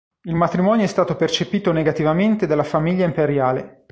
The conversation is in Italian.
Il matrimonio è stato percepito negativamente dalla famiglia imperiale.